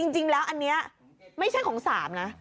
จริงแล้วอันนี้ไม่ใช่ของ๓นะ